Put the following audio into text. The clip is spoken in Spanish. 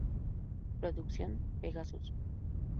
Producción: Pegasus.